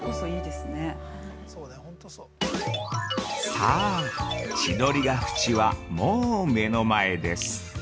◆さぁ千鳥ヶ淵はもう目の前です。